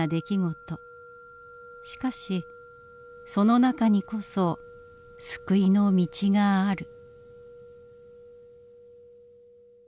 しかしその中にこそ救いの道がある。